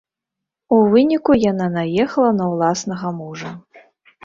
У выніку яна наехала на ўласнага мужа.